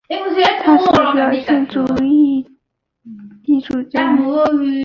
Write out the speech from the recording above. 他是表现主义的艺术家。